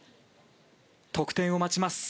得点を待ちます。